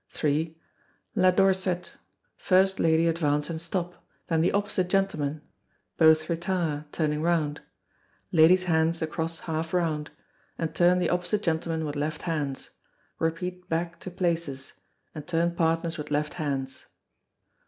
iii. La Dorset. First lady advance and stop, then the opposite gentleman both retire, turning round ladies' hands across half round, and turn the opposite gentlemen with left hands repeat back to places, and turn partners with left hands.